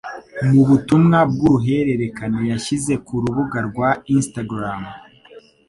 Mu butumwa bw'uruhererekane yashyize ku rubuga rwa Instagram